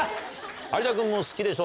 有田君も好きでしょ？